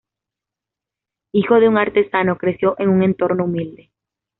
Hijo de un artesano, creció en un entorno humilde.